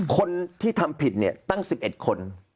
คนที่ทำผิดเนี่ยตั้ง๑๑คน